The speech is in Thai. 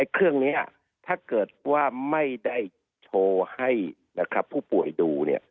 เครื่องนี้ถ้าเกิดว่าไม่ได้โชว์ให้ผู้ป่วยดู